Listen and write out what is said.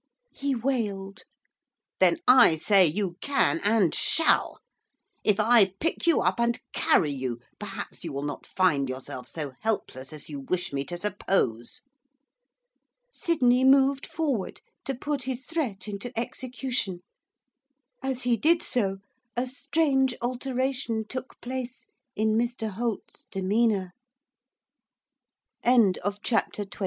he wailed. 'Then I say you can, and shall! If I pick you up, and carry you, perhaps you will not find yourself so helpless as you wish me to suppose.' Sydney moved forward to put his threat into execution. As he did so, a strange alteration took place in Mr Holt's demeanour. CHAPTER XXX.